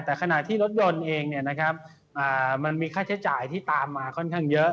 แต่ขณะที่รถยนต์เองมันมีค่าใช้จ่ายที่ตามมาค่อนข้างเยอะ